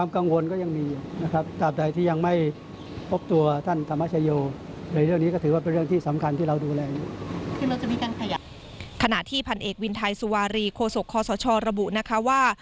ขณะที่ผัญเอกวินไทซ์ซุวารีโคสกอบบว่า